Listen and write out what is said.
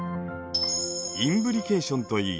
インブリケーションといい